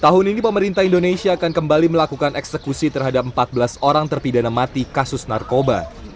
tahun ini pemerintah indonesia akan kembali melakukan eksekusi terhadap empat belas orang terpidana mati kasus narkoba